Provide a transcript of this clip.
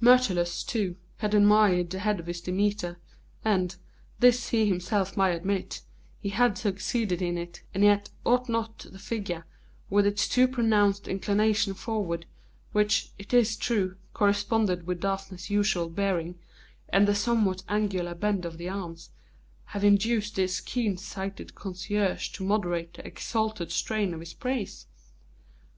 Myrtilus, too, had admired the head of his Demeter, and this he himself might admit he had succeeded in it, and yet ought not the figure, with its too pronounced inclination forward, which, it is true, corresponded with Daphne's usual bearing, and the somewhat angular bend of the arms, have induced this keen sighted connoisseur to moderate the exalted strain of his praise?